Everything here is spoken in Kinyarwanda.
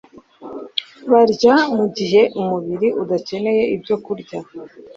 Barya mu gihe umubiri udakeneye ibyokurya,